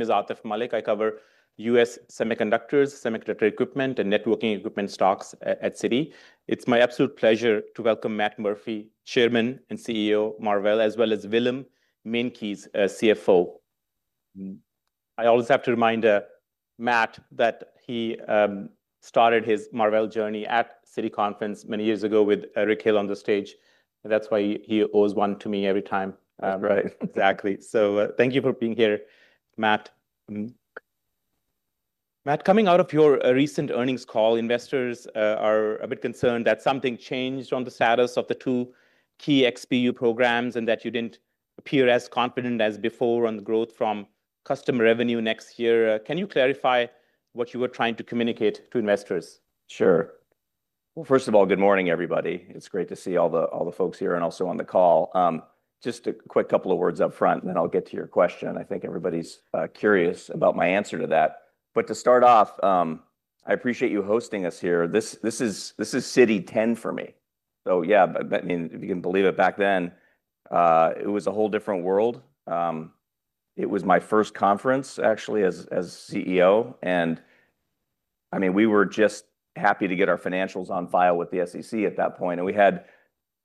This is Atif Malik. I cover U.S. semiconductors, semiconductor equipment, and networking equipment stocks at CITI. It's my absolute pleasure to welcome Matt Murphy, Chairman and CEO, Marvell, as well as Willem Meintjes, CFO. I always have to remind Matt that he started his Marvell journey at CITI Conference many years ago with Eric Hill on the stage. That's why he owes one to me every time. Right, exactly. Thank you for being here, Matt. Matt, coming out of your recent earnings call, investors are a bit concerned that something changed on the status of the two key XPU programs and that you didn't appear as confident as before on the growth from customer revenue next year. Can you clarify what you were trying to communicate to investors? Sure. First of all, good morning, everybody. It's great to see all the folks here and also on the call. Just a quick couple of words up front, and then I'll get to your question. I think everybody's curious about my answer to that. To start off, I appreciate you hosting us here. This is CITI 10 for me. If you can believe it, back then, it was a whole different world. It was my first conference, actually, as CEO. We were just happy to get our financials on file with the SEC at that point. We had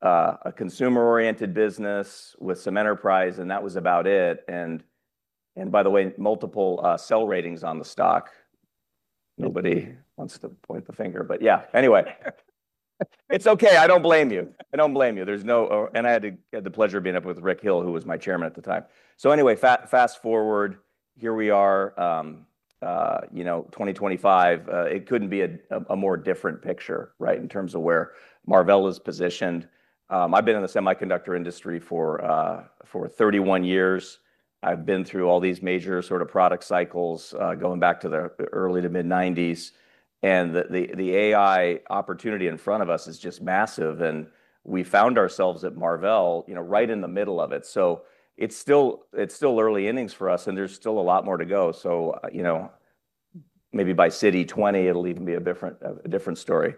a consumer-oriented business with some enterprise, and that was about it. By the way, multiple sell ratings on the stock. Nobody wants to point the finger, but yeah, anyway, it's OK. I don't blame you. I don't blame you. I had the pleasure of being up with Rick Hill, who was my Chairman at the time. Fast forward, here we are, you know, 2025. It couldn't be a more different picture, right, in terms of where Marvell Technology is positioned. I've been in the semiconductor industry for 31 years. I've been through all these major sort of product cycles, going back to the early to mid '90s. The AI opportunity in front of us is just massive. We found ourselves at Marvell Technology, you know, right in the middle of it. It's still early innings for us, and there's still a lot more to go. Maybe by CITI 20, it'll even be a different story.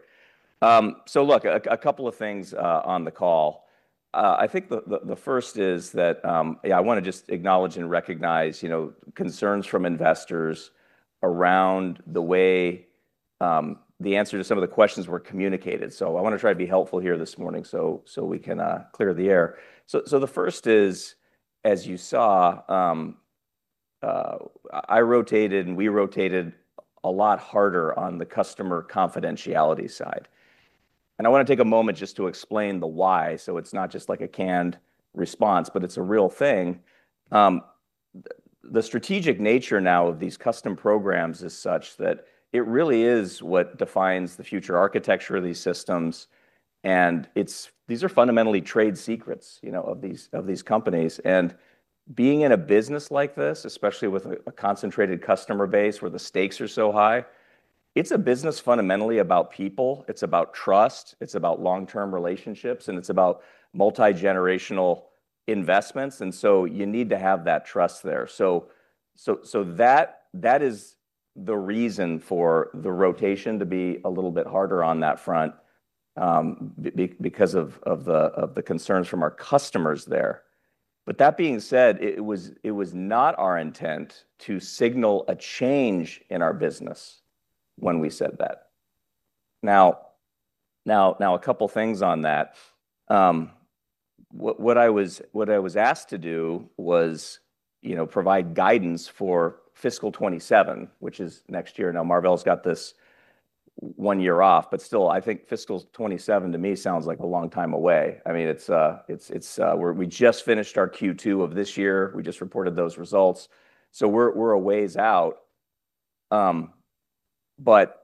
A couple of things on the call. The first is that I want to just acknowledge and recognize concerns from investors around the way the answer to some of the questions were communicated. I want to try to be helpful here this morning so we can clear the air. The first is, as you saw, I rotated and we rotated a lot harder on the customer confidentiality side. I want to take a moment just to explain the why. It's not just like a canned response, but it's a real thing. The strategic nature now of these custom programs is such that it really is what defines the future architecture of these systems. These are fundamentally trade secrets, you know, of these companies. Being in a business like this, especially with a concentrated customer base where the stakes are so high, it's a business fundamentally about people. It's about trust. It's about long-term relationships. It's about multigenerational investments. You need to have that trust there. That is the reason for the rotation to be a little bit harder on that front because of the concerns from our customers there. That being said, it was not our intent to signal a change in our business when we said that. Now, a couple of things on that. What I was asked to do was, you know, provide guidance for fiscal 2027, which is next year. Marvell's got this one year off. Still, I think fiscal 2027 to me sounds like a long time away. I mean, we just finished our Q2 of this year. We just reported those results. We're a ways out. The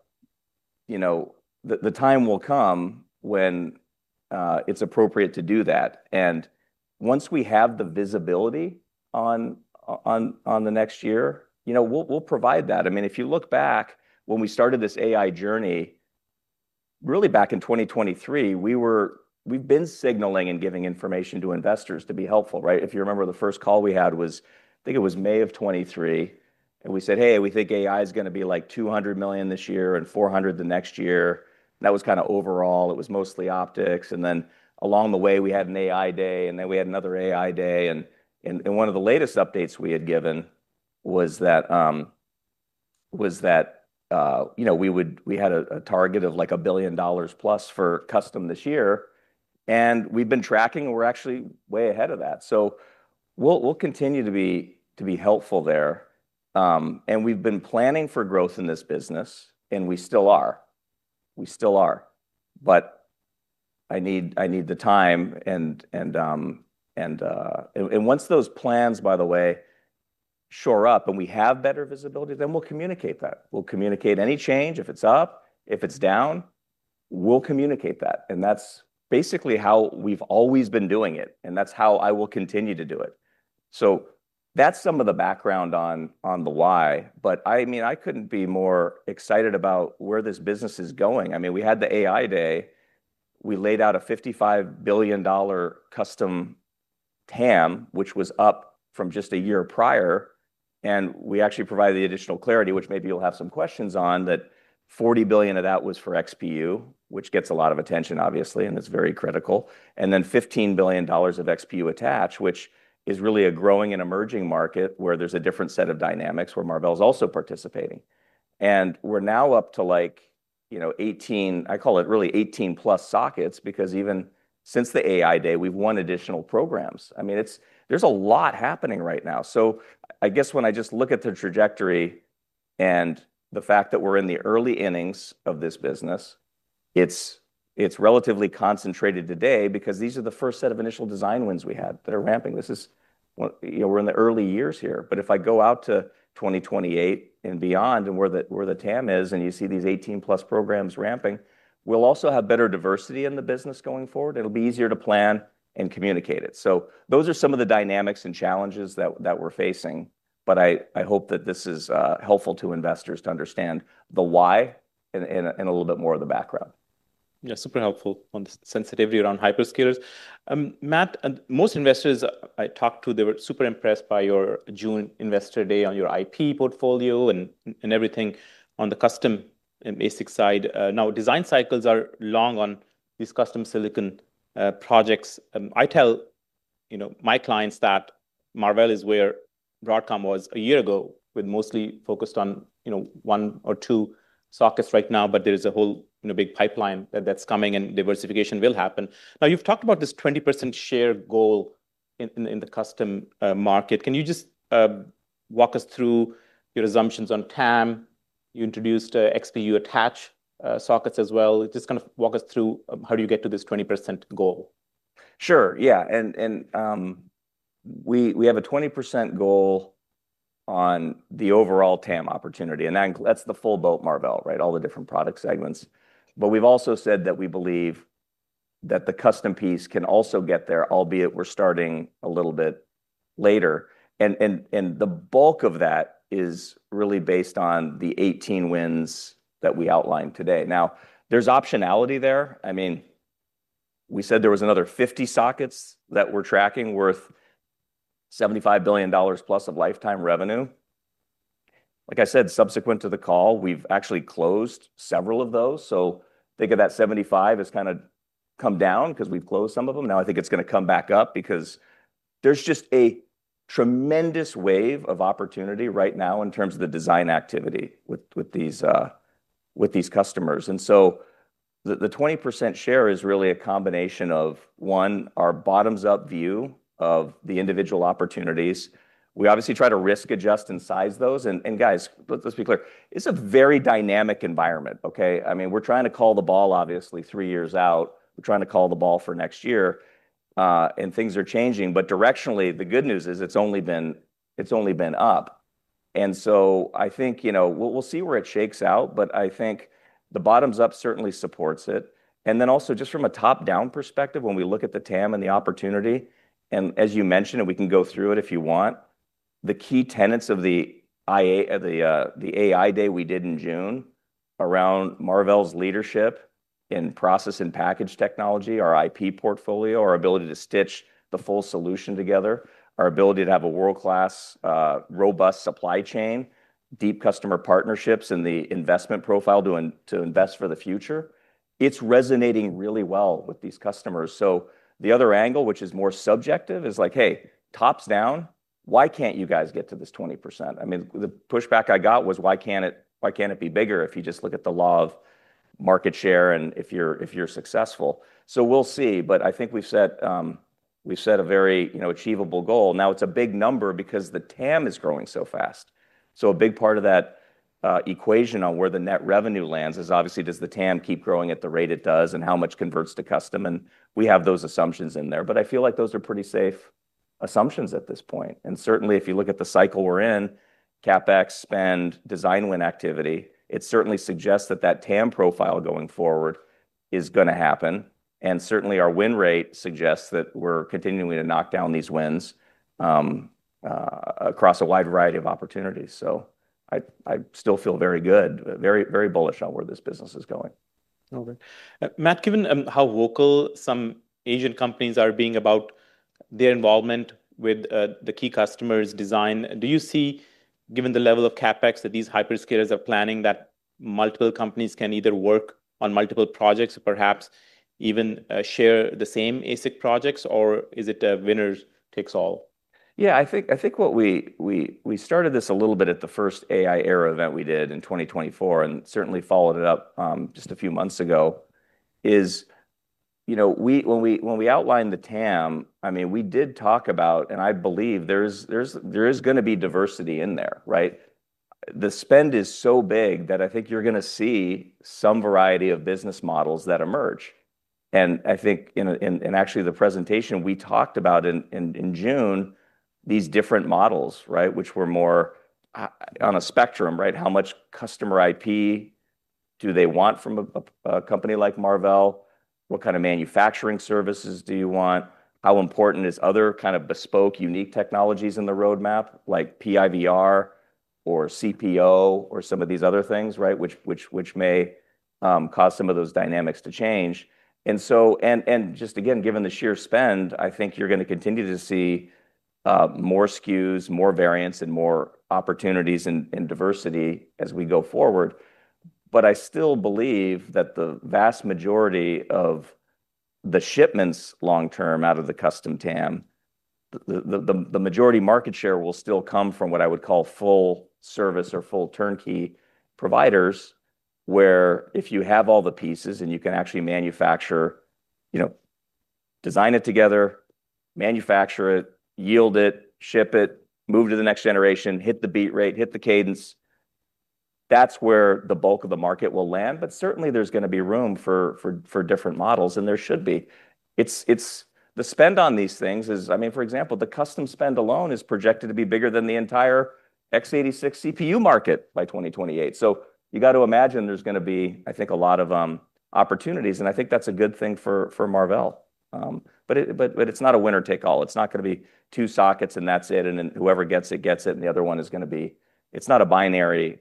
time will come when it's appropriate to do that. Once we have the visibility on the next year, you know, we'll provide that. I mean, if you look back when we started this AI journey, really back in 2023, we've been signaling and giving information to investors to be helpful, right? If you remember, the first call we had was, I think it was May of 2023. We said, hey, we think AI is going to be like $200 million this year and $400 million the next year. That was kind of overall. It was mostly optics. Along the way, we had an AI Day. Then we had another AI Day. One of the latest updates we had given was that, you know, we had a target of like $1 billion+ for custom this year. We've been tracking, and we're actually way ahead of that. We'll continue to be helpful there. We've been planning for growth in this business. We still are. We still are. I need the time. Once those plans, by the way, shore up and we have better visibility, then we'll communicate that. We'll communicate any change. If it's up, if it's down, we'll communicate that. That's basically how we've always been doing it. That's how I will continue to do it. That is some of the background on the why. I couldn't be more excited about where this business is going. I mean, we had the AI day. We laid out a $55 billion custom TAM, which was up from just a year prior. We actually provided the additional clarity, which maybe you'll have some questions on, that $40 billion of that was for XPU, which gets a lot of attention, obviously, and is very critical. Then $15 billion of XPU attached, which is really a growing and emerging market where there's a different set of dynamics where Marvell is also participating. We're now up to like, you know, 18, I call it really 18+ sockets because even since the AI day, we've won additional programs. I mean, there's a lot happening right now. I guess when I just look at the trajectory and the fact that we're in the early innings of this business, it's relatively concentrated today because these are the first set of initial design wins we had that are ramping. This is, you know, we're in the early years here. If I go out to 2028 and beyond and where the TAM is and you see these 18+ programs ramping, we'll also have better diversity in the business going forward. It'll be easier to plan and communicate it. Those are some of the dynamics and challenges that we're facing. I hope that this is helpful to investors to understand the why and a little bit more of the background. Yeah, super helpful on the sensitivity around hyperscalers. Matt, most investors I talked to, they were super impressed by your June investor day on your IP portfolio and everything on the custom and ASIC side. Now, design cycles are long on these custom silicon projects. I tell my clients that Marvell is where Broadcom was a year ago with mostly focused on, you know, one or two sockets right now. There is a whole big pipeline that's coming and diversification will happen. You've talked about this 20% share goal in the custom market. Can you just walk us through your assumptions on TAM? You introduced XPU attached sockets as well. Just kind of walk us through how do you get to this 20% goal? Sure. Yeah. We have a 20% goal on the overall TAM opportunity. That's the full boat Marvell, right? All the different product segments. We've also said that we believe that the custom piece can also get there, albeit we're starting a little bit later. The bulk of that is really based on the 18 wins that we outlined today. Now, there's optionality there. We said there was another 50 sockets that we're tracking worth $75 billion+ of lifetime revenue. Like I said, subsequent to the call, we've actually closed several of those. Think of that $75 billion as kind of come down because we've closed some of them. I think it's going to come back up because there's just a tremendous wave of opportunity right now in terms of the design activity with these customers. The 20% share is really a combination of, one, our bottoms-up view of the individual opportunities. We obviously try to risk adjust and size those. Let's be clear. It's a very dynamic environment, OK? We're trying to call the ball, obviously, three years out. We're trying to call the ball for next year. Things are changing. Directionally, the good news is it's only been up. I think we'll see where it shakes out. I think the bottoms up certainly supports it. Also, just from a top-down perspective, when we look at the TAM and the opportunity, and as you mentioned, we can go through it if you want, the key tenets of the AI Day we did in June around Marvell's leadership in process and package technology, our IP portfolio, our ability to stitch the full solution together, our ability to have a world-class, robust supply chain, deep customer partnerships, and the investment profile to invest for the future, it's resonating really well with these customers. The other angle, which is more subjective, is like, hey, tops down, why can't you guys get to this 20%? The pushback I got was, why can't it be bigger if you just look at the law of market share and if you're successful? We'll see. I think we've set a very achievable goal. It's a big number because the TAM is growing so fast. A big part of that equation on where the net revenue lands is, obviously, does the TAM keep growing at the rate it does and how much converts to custom? We have those assumptions in there. I feel like those are pretty safe assumptions at this point. If you look at the cycle we're in, CapEx spend, design win activity, it certainly suggests that that TAM profile going forward is going to happen. Our win rate suggests that we're continuing to knock down these wins across a wide variety of opportunities. I still feel very good, very bullish on where this business is going. All right. Matt, given how vocal some Asian companies are being about their involvement with the key customers' design, do you see, given the level of CapEx that these hyperscalers are planning, that multiple companies can either work on multiple projects or perhaps even share the same ASIC projects? Or is it a winner takes all? Yeah, I think we started this a little bit at the first AI era event we did in 2024 and certainly followed it up just a few months ago. When we outlined the TAM, I mean, we did talk about, and I believe there is going to be diversity in there, right? The spend is so big that I think you're going to see some variety of business models that emerge. I think, and actually, the presentation we talked about in June, these different models, right, which were more on a spectrum, right? How much customer IP do they want from a company like Marvell Technology? What kind of manufacturing services do you want? How important is other kind of bespoke, unique technologies in the roadmap, like PIVR or CPO or some of these other things, right, which may cause some of those dynamics to change? Just again, given the sheer spend, I think you're going to continue to see more SKUs, more variants, and more opportunities in diversity as we go forward. I still believe that the vast majority of the shipments long term out of the custom TAM, the majority market share will still come from what I would call full service or full turnkey providers, where if you have all the pieces and you can actually manufacture, design it together, manufacture it, yield it, ship it, move to the next generation, hit the beat rate, hit the cadence, that's where the bulk of the market will land. Certainly, there's going to be room for different models, and there should be. The spend on these things is, I mean, for example, the custom spend alone is projected to be bigger than the entire x86 CPU market by 2028. You got to imagine there's going to be, I think, a lot of opportunities. I think that's a good thing for Marvell Technology. It's not a winner take all. It's not going to be two sockets and that's it. Whoever gets it gets it. The other one is going to be, it's not a binary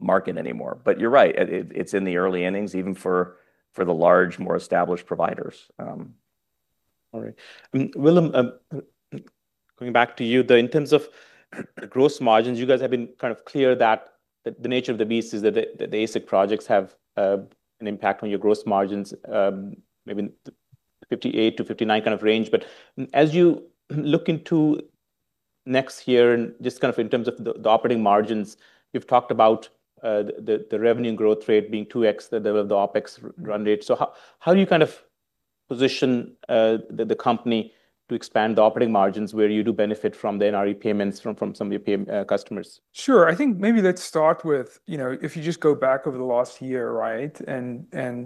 market anymore. You're right. It's in the early innings, even for the large, more established providers. All right. Willem, going back to you, in terms of gross margins, you guys have been kind of clear that the nature of the beast is that the ASIC projects have an impact on your gross margins, maybe 58%- 59% kind of range. As you look into next year and just kind of in terms of the operating margins, you've talked about the revenue and growth rate being 2x the OpEx run rate. How do you kind of position the company to expand the operating margins where you do benefit from the NRE payments from some of your customers? Sure. I think maybe let's start with, you know, if you just go back over the last year, right?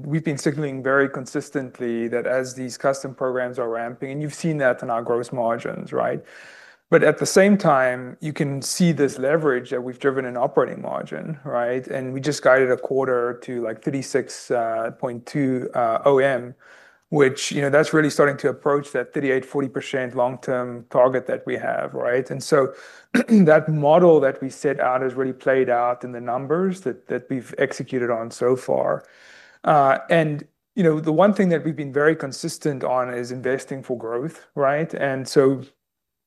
We've been signaling very consistently that as these custom programs are ramping, and you've seen that in our gross margins, right? At the same time, you can see this leverage that we've driven in operating margin, right? We just guided a quarter to like 36.2% OM, which, you know, that's really starting to approach that 38, 40% long-term target that we have, right? That model that we set out has really played out in the numbers that we've executed on so far. The one thing that we've been very consistent on is investing for growth, right?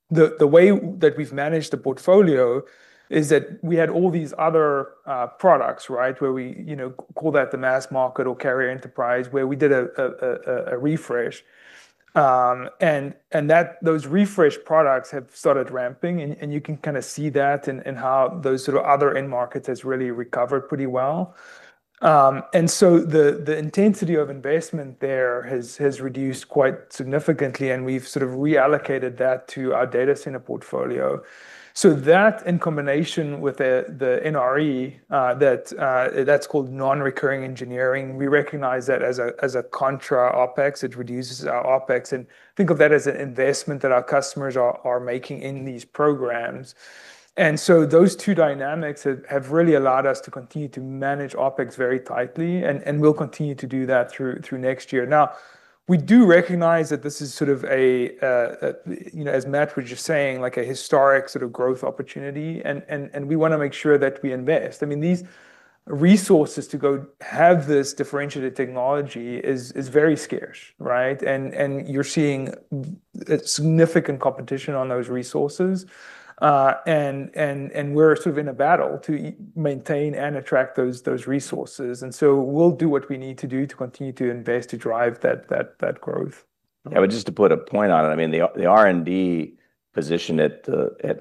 The way that we've managed the portfolio is that we had all these other products, right, where we, you know, call that the mass market or carrier enterprise where we did a refresh. Those refresh products have started ramping. You can kind of see that in how those sort of other end markets have really recovered pretty well. The intensity of investment there has reduced quite significantly. We've sort of reallocated that to our data center portfolio. That in combination with the NRE, that's called non-recurring engineering, we recognize that as a contra OpEx. It reduces our OpEx. Think of that as an investment that our customers are making in these programs. Those two dynamics have really allowed us to continue to manage OpEx very tightly. We'll continue to do that through next year. We do recognize that this is sort of a, you know, as Matt was just saying, like a historic sort of growth opportunity. We want to make sure that we invest. I mean, these resources to go have this differentiated technology is very scarce, right? You're seeing significant competition on those resources. We're sort of in a battle to maintain and attract those resources. We'll do what we need to do to continue to invest to drive that growth. Yeah, but just to put a point on it, I mean, the R&D position at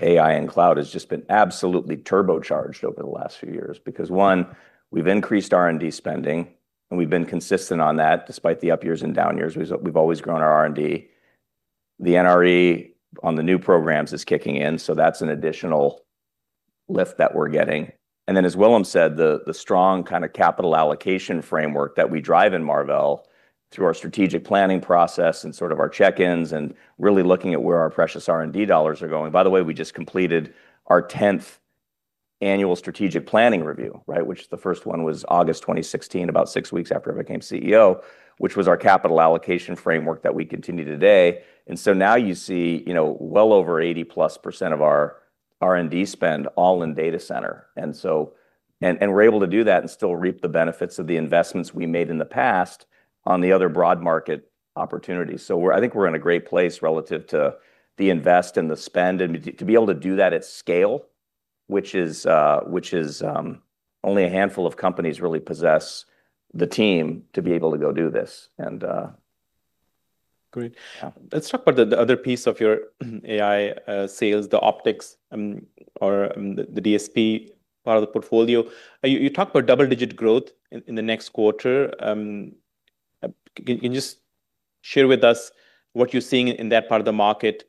AI and Cloud has just been absolutely turbocharged over the last few years because, one, we've increased R&D spending, and we've been consistent on that despite the up years and down years. We've always grown our R&D. The NRE on the new programs is kicking in, so that's an additional lift that we're getting. As Willem said, the strong kind of capital allocation framework that we drive in Marvell through our strategic planning process and sort of our check-ins and really looking at where our precious R&D dollars are going. By the way, we just completed our 10th Annual Strategic Planning Review, right, which the first one was August 2016, about six weeks after I became CEO, which was our capital allocation framework that we continue today. Now you see, you know, well over 80% of our R&D spend all in data center, and we're able to do that and still reap the benefits of the investments we made in the past on the other broad market opportunities. I think we're in a great place relative to the invest and the spend and to be able to do that at scale, which is only a handful of companies really possess the team to be able to go do this. Great. Let's talk about the other piece of your AI sales, the optics or the DSP part of the portfolio. You talk about double-digit growth in the next quarter. Can you just share with us what you're seeing in that part of the market,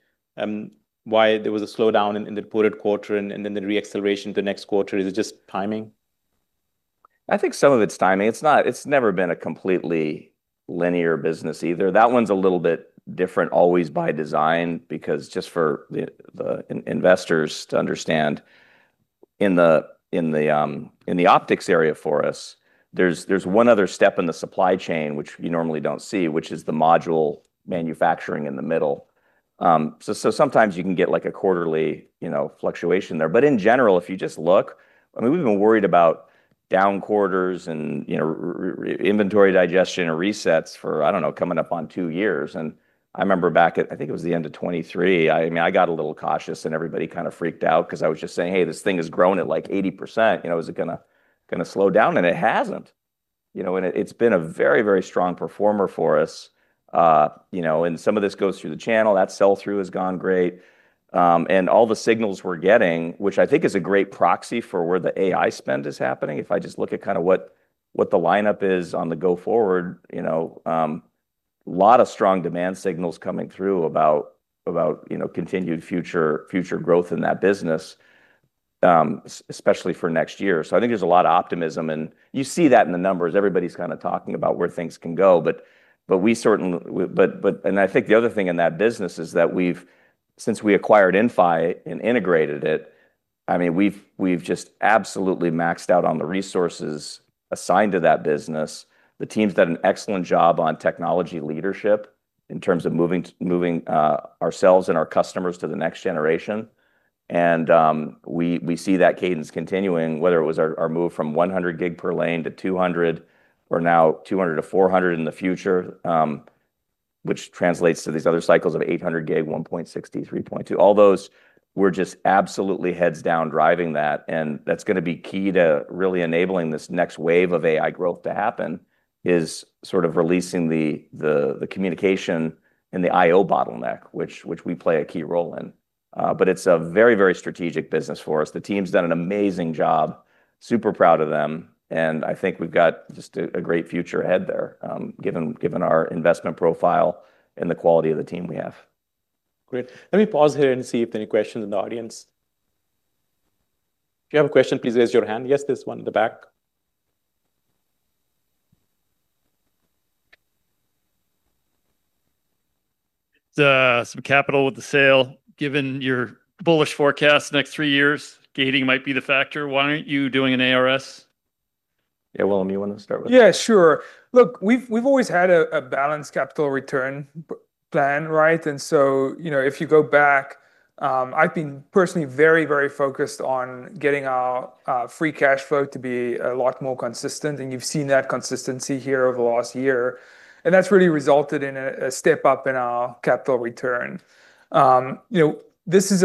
why there was a slowdown in the reported quarter, and then the reacceleration to next quarter? Is it just timing? I think some of it's timing. It's not, it's never been a completely linear business either. That one's a little bit different always by design because just for the investors to understand, in the optics area for us, there's one other step in the supply chain, which you normally don't see, which is the module manufacturing in the middle. Sometimes you can get like a quarterly fluctuation there. In general, if you just look, we've been worried about down quarters and inventory digestion and resets for, I don't know, coming up on two years. I remember back at, I think it was the end of 2023, I got a little cautious and everybody kind of freaked out because I was just saying, hey, this thing has grown at like 80%. You know, is it going to slow down? It hasn't. It's been a very, very strong performer for us. Some of this goes through the channel. That sell-through has gone great. All the signals we're getting, which I think is a great proxy for where the AI spend is happening, if I just look at kind of what the lineup is on the go forward, a lot of strong demand signals coming through about continued future growth in that business, especially for next year. I think there's a lot of optimism. You see that in the numbers. Everybody's kind of talking about where things can go. We certainly, and I think the other thing in that business is that we've, since we acquired Inphi and integrated it, we've just absolutely maxed out on the resources assigned to that business. The team's done an excellent job on technology leadership in terms of moving ourselves and our customers to the next generation. We see that cadence continuing, whether it was our move from 100G/lane- 200 G/lane or now 200 G/lane- 400 G/lane in the future, which translates to these other cycles of 800 G/lane, 1.6 G/lane, 3.2 G/lane. All those, we're just absolutely heads down driving that. That's going to be key to really enabling this next wave of AI growth to happen, releasing the communication and the I/O bottleneck, which we play a key role in. It's a very, very strategic business for us. The team's done an amazing job. Super proud of them. I think we've got just a great future ahead there, given our investment profile and the quality of the team we have. Great. Let me pause here and see if there are any questions in the audience. If you have a question, please raise your hand. Yes, there's one in the back. Some capital with the sale. Given your bullish forecast next three years, gating might be the factor. Why aren't you doing an ARS? Yeah, Willem, you want to start with that? Yeah, sure. Look, we've always had a balanced capital return plan, right? If you go back, I've been personally very, very focused on getting our free cash flow to be a lot more consistent. You've seen that consistency here over the last year, and that's really resulted in a step up in our capital return. This is,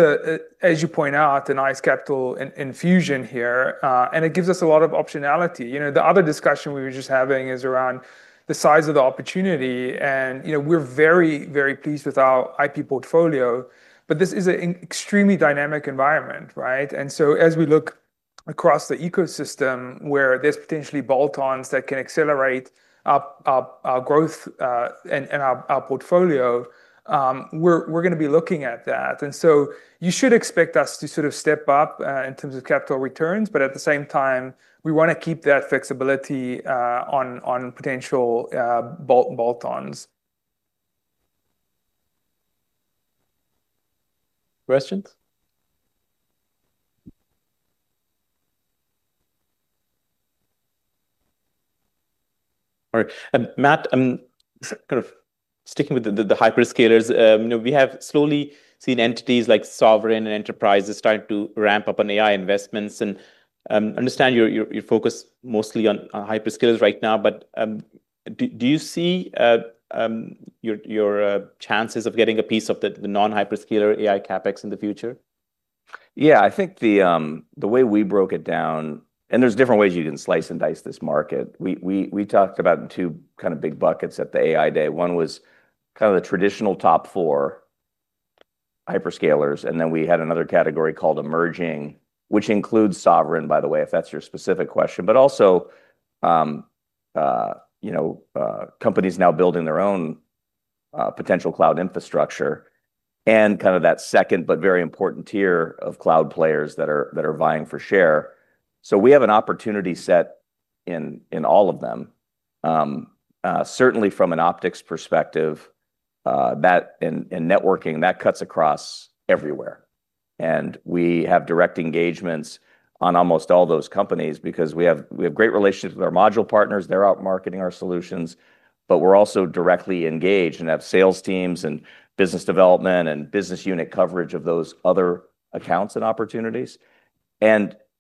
as you point out, a nice capital infusion here, and it gives us a lot of optionality. The other discussion we were just having is around the size of the opportunity. We're very, very pleased with our IP portfolio. This is an extremely dynamic environment, right? As we look across the ecosystem where there's potentially bolt-ons that can accelerate our growth and our portfolio, we're going to be looking at that. You should expect us to sort of step up in terms of capital returns. At the same time, we want to keep that flexibility on potential bolt-ons. Questions? All right. Matt, I'm kind of sticking with the hyperscalers. We have slowly seen entities like Sovereign Enterprises starting to ramp up on AI investments. I understand you're focused mostly on hyperscalers right now. Do you see your chances of getting a piece of the non-hyperscaler AI CapEx in the future? Yeah, I think the way we broke it down, and there's different ways you can slice and dice this market, we talked about in two kind of big buckets at the AI day. One was kind of the traditional top four hyperscalers. Then we had another category called emerging, which includes Sovereign, by the way, if that's your specific question. Also, you know, companies now building their own potential cloud infrastructure and kind of that second but very important tier of cloud players that are vying for share. We have an opportunity set in all of them. Certainly, from an optics perspective, that in networking, that cuts across everywhere. We have direct engagements on almost all those companies because we have great relationships with our module partners. They're out marketing our solutions. We're also directly engaged and have sales teams and business development and business unit coverage of those other accounts and opportunities.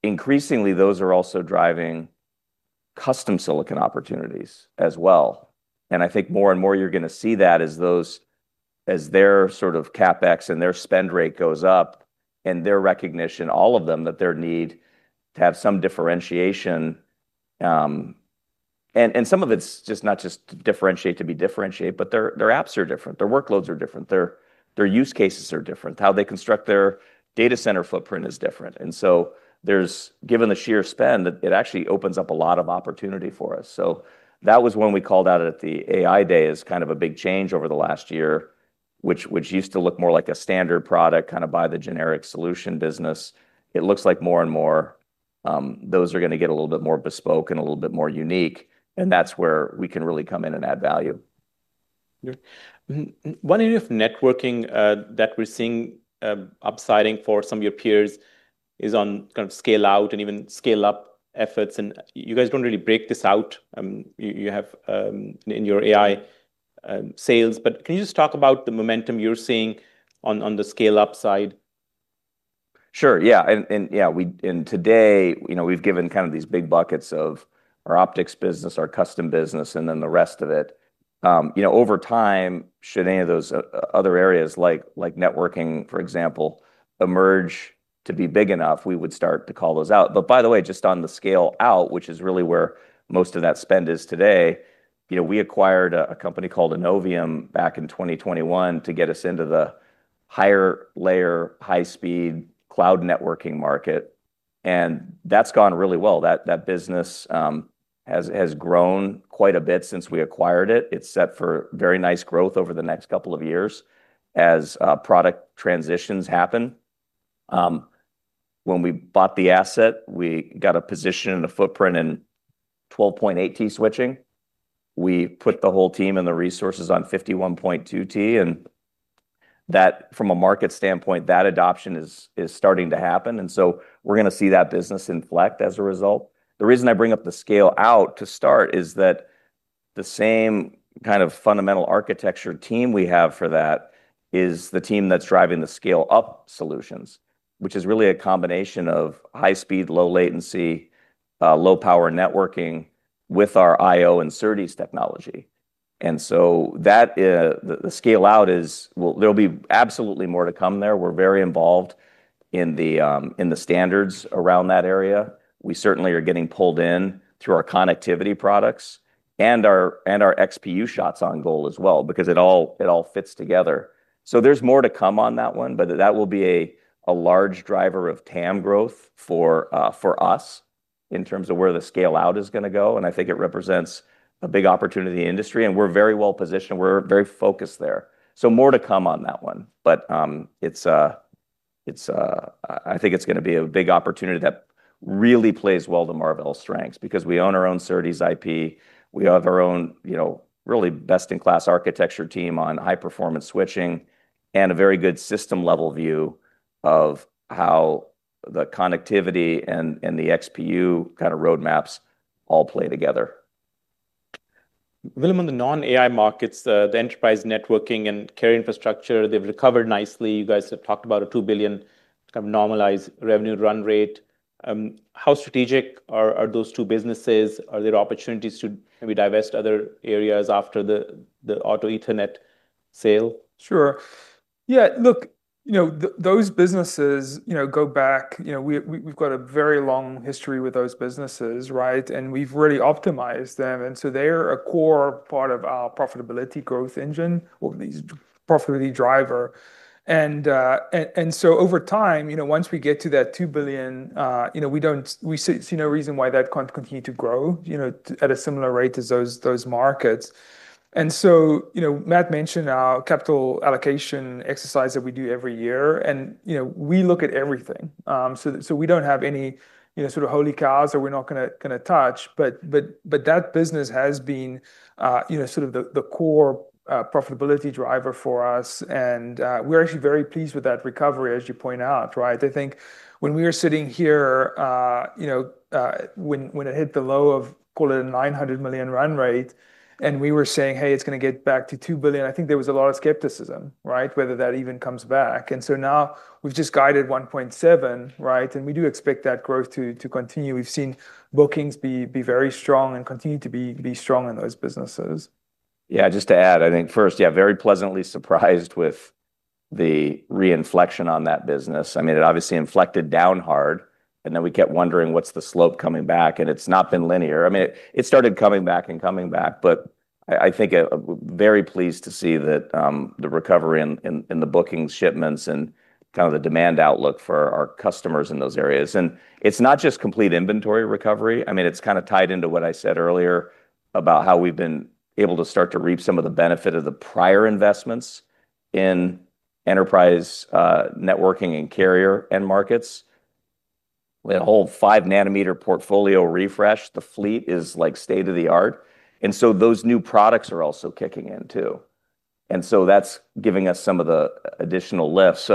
Increasingly, those are also driving custom silicon opportunities as well. I think more and more you're going to see that as their sort of CapEx and their spend rate goes up and their recognition, all of them, that their need to have some differentiation. Some of it's just not just to differentiate to be differentiated, but their apps are different. Their workloads are different. Their use cases are different. How they construct their data center footprint is different. Given the sheer spend, it actually opens up a lot of opportunity for us. That was when we called out at the AI day as kind of a big change over the last year, which used to look more like a standard product kind of by the generic solution business. It looks like more and more those are going to get a little bit more bespoke and a little bit more unique. That's where we can really come in and add value. One area of networking that we're seeing upside in for some of your peers is on kind of scale out and even scale up efforts. You guys don't really break this out. You have it in your AI sales, but can you just talk about the momentum you're seeing on the scale-up side? Sure. Yeah. Today, we've given kind of these big buckets of our optics business, our custom business, and then the rest of it. Over time, should any of those other areas, like networking, for example, emerge to be big enough, we would start to call those out. By the way, just on the scale out, which is really where most of that spend is today, we acquired a company called Innovium back in 2021 to get us into the higher layer, high-speed cloud networking market. That's gone really well. That business has grown quite a bit since we acquired it. It's set for very nice growth over the next couple of years as product transitions happen. When we bought the asset, we got a position and a footprint in 12.8T switching. We put the whole team and the resources on 51.2T. From a market standpoint, that adoption is starting to happen. We're going to see that business inflect as a result. The reason I bring up the scale out to start is that the same kind of fundamental architecture team we have for that is the team that's driving the scale-up solutions, which is really a combination of high-speed, low latency, low-power networking with our I/O and SerDes technology. The scale out is, well, there'll be absolutely more to come there. We're very involved in the standards around that area. We certainly are getting pulled in through our connectivity products and our XPU shots on goal as well because it all fits together. There's more to come on that one. That will be a large driver of TAM growth for us in terms of where the scale out is going to go. I think it represents a big opportunity in the industry. We're very well positioned. We're very focused there. More to come on that one. I think it's going to be a big opportunity that really plays well to Marvell's strengths because we own our own SerDes IP. We have our own, you know, really best-in-class architecture team on high-performance switching and a very good system-level view of how the connectivity and the XPU kind of roadmaps all play together. Willem, on the non-AI markets, the enterprise networking and carrier infrastructure, they've recovered nicely. You guys have talked about a $2 billion kind of normalized revenue run rate. How strategic are those two businesses? Are there opportunities to maybe divest other areas after the auto Ethernet sale? Sure. Yeah, look, you know, those businesses, you know, go back, you know, we've got a very long history with those businesses, right? We've really optimized them, and they're a core part of our profitability growth engine or profitability driver. Over time, once we get to that $2 billion, we don't, we see no reason why that can't continue to grow at a similar rate as those markets. Matt mentioned our capital allocation exercise that we do every year, and we look at everything. We don't have any, you know, sort of holy cows that we're not going to touch. That business has been sort of the core profitability driver for us, and we're actually very pleased with that recovery, as you point out, right? I think when we were sitting here, when it hit the low of, call it a $900 million run rate, and we were saying, hey, it's going to get back to $2 billion, I think there was a lot of skepticism, right, whether that even comes back. Now we've just guided $1.7 billion, right? We do expect that growth to continue. We've seen bookings be very strong and continue to be strong in those businesses. Yeah, just to add, I think first, yeah, very pleasantly surprised with the reinflection on that business. I mean, it obviously inflected down hard. We kept wondering, what's the slope coming back? It's not been linear. It started coming back and coming back. I think I'm very pleased to see the recovery in the bookings, shipments, and kind of the demand outlook for our customers in those areas. It's not just complete inventory recovery. It's kind of tied into what I said earlier about how we've been able to start to reap some of the benefit of the prior investments in enterprise networking and carrier end markets. We had a whole five-nanometer portfolio refresh. The fleet is like state of the art. Those new products are also kicking in too. That's giving us some of the additional lift.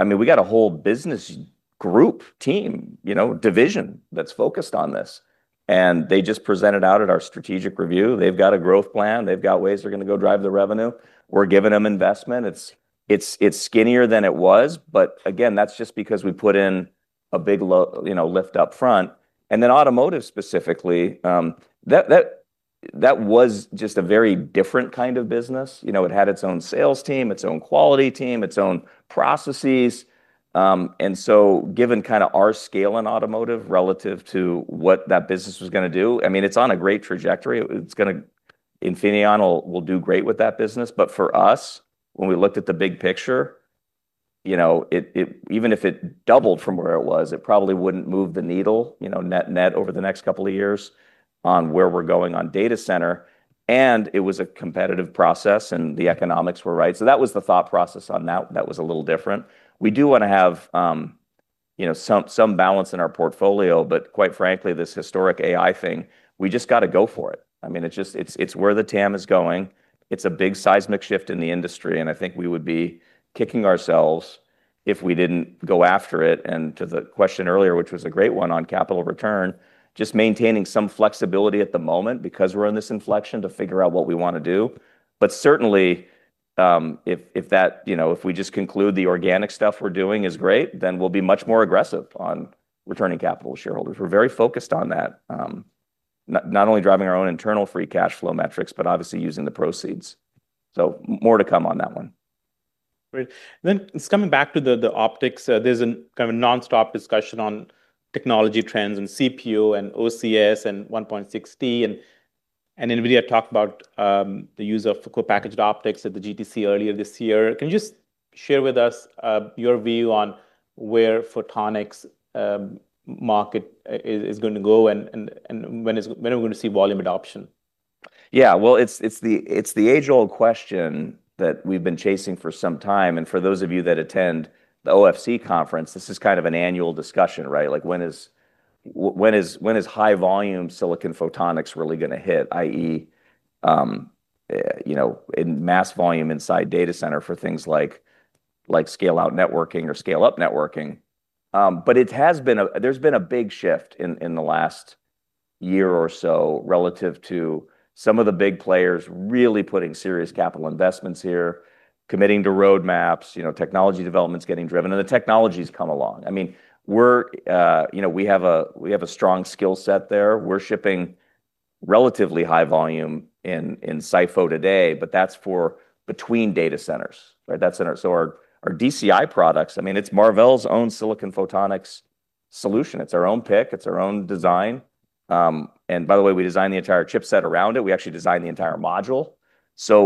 We got a whole business group, team, division that's focused on this. They just presented out at our strategic review. They've got a growth plan. They've got ways they're going to go drive the revenue. We're giving them investment. It's skinnier than it was. That's just because we put in a big lift up front. Automotive specifically, that was just a very different kind of business. It had its own sales team, its own quality team, its own processes. Given kind of our scale in automotive relative to what that business was going to do, it's on a great trajectory. Infineon will do great with that business. For us, when we looked at the big picture, even if it doubled from where it was, it probably wouldn't move the needle, net net over the next couple of years on where we're going on data center. It was a competitive process and the economics were right. That was the thought process on that. That was a little different. We do want to have some balance in our portfolio. Quite frankly, this historic AI thing, we just got to go for it. It's where the TAM is going. It's a big seismic shift in the industry. I think we would be kicking ourselves if we didn't go after it. To the question earlier, which was a great one on capital return, just maintaining some flexibility at the moment because we're in this inflection to figure out what we want to do. Certainly, if we just conclude the organic stuff we're doing is great, then we'll be much more aggressive on returning capital to shareholders. We're very focused on that, not only driving our own internal free cash flow metrics, but obviously using the proceeds. More to come on that one. Great. Just coming back to the optics, there's a kind of a nonstop discussion on technology trends and CPU and OCS and 1.6T. Nvidia talked about the use of packaged optics at the GTC earlier this year. Can you just share with us your view on where photonics market is going to go and when we're going to see volume adoption? Yeah, it's the age-old question that we've been chasing for some time. For those of you that attend the OFC conference, this is kind of an annual discussion, right? Like when is high-volume silicon photonics really going to hit, i.e., in mass volume inside data center for things like scale-out networking or scale-up networking? There has been a big shift in the last year or so relative to some of the big players really putting serious capital investments here, committing to roadmaps, technology developments getting driven. The technologies come along. I mean, we have a strong skill set there. We're shipping relatively high volume in Sipho today. That's for between data centers, right? That's in our DCI products. It's Marvell's own silicon photonics solution. It's our own PIC. It's our own design. By the way, we designed the entire chipset around it. We actually designed the entire module.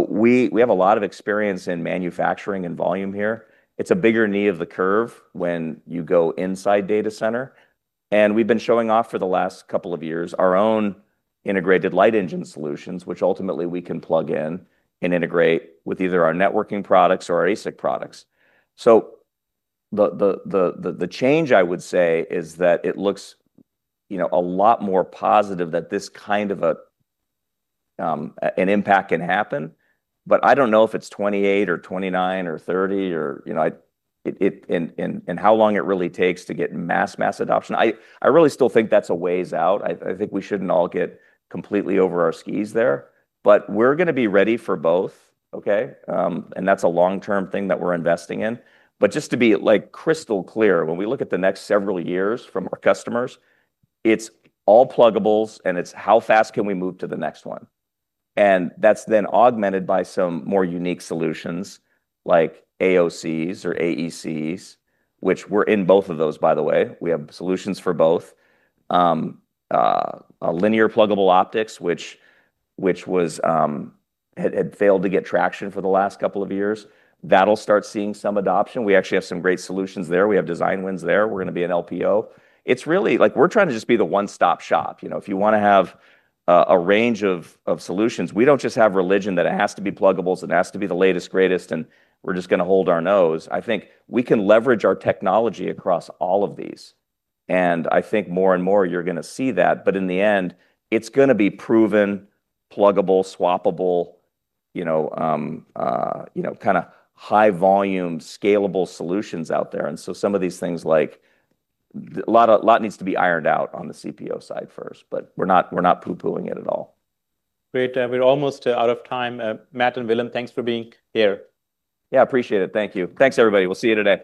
We have a lot of experience in manufacturing and volume here. It's a bigger knee of the curve when you go inside data center. We've been showing off for the last couple of years our own integrated light engine solutions, which ultimately we can plug in and integrate with either our networking products or our ASIC products. The change I would say is that it looks a lot more positive that this kind of an impact can happen. I don't know if it's 2028 or 2029 or 2030 or how long it really takes to get mass, mass adoption. I really still think that's a ways out. I think we shouldn't all get completely over our skis there. We're going to be ready for both, OK? That's a long-term thing that we're investing in. Just to be crystal clear, when we look at the next several years from our customers, it's all pluggables. It's how fast can we move to the next one? That's then augmented by some more unique solutions like AOCs or AECs, which we're in both of those, by the way. We have solutions for both. Linear pluggable optics, which had failed to get traction for the last couple of years, that'll start seeing some adoption. We actually have some great solutions there. We have design wins there. We're going to be in LPO. It's really like we're trying to just be the one-stop shop. You know, if you want to have a range of solutions, we don't just have religion that it has to be pluggables and it has to be the latest, greatest, and we're just going to hold our nose. I think we can leverage our technology across all of these. I think more and more you're going to see that. In the end, it's going to be proven pluggable, swappable, kind of high-volume scalable solutions out there. Some of these things, like a lot, need to be ironed out on the CPO side first. We're not poo-pooing it at all. Great. We're almost out of time. Matt and Willem, thanks for being here. Yeah, appreciate it. Thank you. Thanks, everybody. We'll see you in a day.